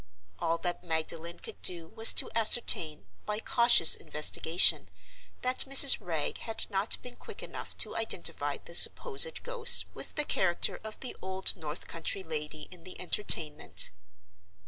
All that Magdalen could do was to ascertain, by cautious investigation, that Mrs. Wragge had not been quick enough to identify the supposed ghost with the character of the old North country lady in the Entertainment.